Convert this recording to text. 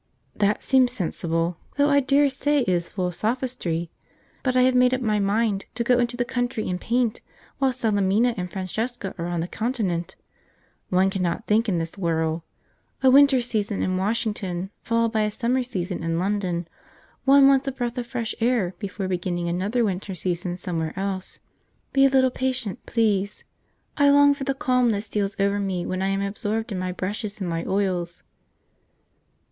"That seems sensible, though I dare say it is full of sophistry; but I have made up my mind to go into the country and paint while Salemina and Francesca are on the Continent. One cannot think in this whirl. A winter season in Washington followed by a summer season in London, one wants a breath of fresh air before beginning another winter season somewhere else. Be a little patient, please. I long for the calm that steals over me when I am absorbed in my brushes and my oils."